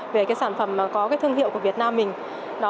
về cái sản phẩm có cái thương hiệu của việt nam mình